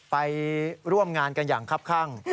ไปร่วมงานกันอย่างครับข้าง